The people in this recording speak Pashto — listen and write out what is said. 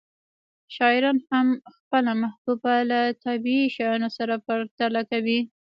شاعران هم خپله محبوبه له طبیعي شیانو سره پرتله کوي